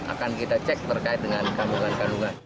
akan kita cek berkait dengan keamuan keamuan